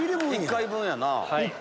１回分やな。